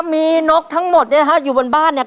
มีนกทั้งหมดเนี่ยนะฮะอยู่บนบ้านเนี่ย